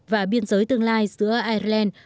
và biên giới tương lai giữa ireland